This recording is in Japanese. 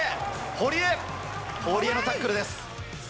堀江、堀江のタックルです。